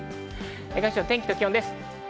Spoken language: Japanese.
各地の天気と気温です。